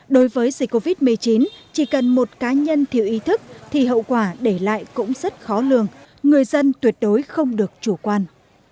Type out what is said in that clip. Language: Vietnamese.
đối với dịch covid một mươi chín chỉ cần một cá nhân thiếu ý thức thì hậu quả để lại cũng rất khó lường người dân tuyệt đối không được chủ quan